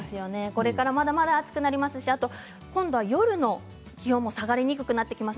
これからまだまだ暑くなりますし今度は夜の気温も下がりにくくなってきます。